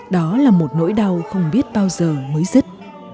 đó là một nỗi đau không biết bao giờ mới dứt